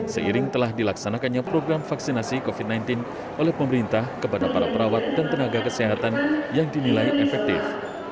seiring telah dilaksanakannya program vaksinasi covid sembilan belas oleh pemerintah kepada para perawat dan tenaga kesehatan yang dinilai efektif